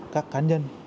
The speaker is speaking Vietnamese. các cá nhân